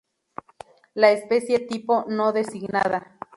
La especie tipo no designada.